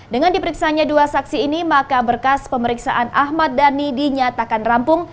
dengan diperiksanya dua saksi ini maka berkas pemeriksaan ahmad dhani dinyatakan rampung